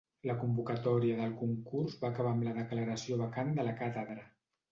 La convocatòria del concurs va acabar amb la declaració vacant de la càtedra.